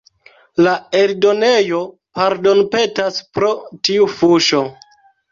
La eldonejo pardonpetas pro tiu fuŝo.